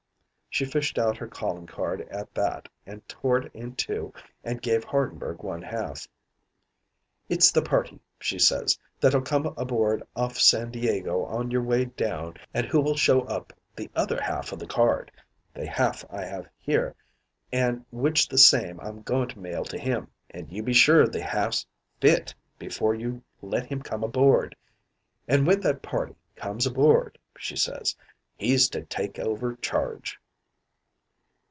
"She fished out her calling card at that and tore it in two an' gave Hardenberg one half. "'It's the party,' she says, 'that'll come aboard off San Diego on your way down an' who will show up the other half o' the card the half I have here an' which the same I'm goin' to mail to him. An' you be sure the halves fit before you let him come aboard. An' when that party comes aboard,' she says, 'he's to take over charge.'